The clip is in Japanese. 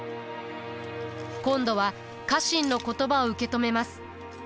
今度は家臣の言葉を受け止めます。